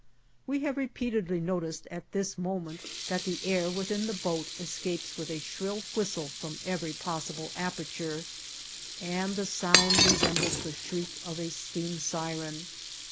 We have repeatedly noticed at this moment that the air within the boat escapes with a shrill whistle from every possible aperture, and the sound resembles the shriek of a steam siren.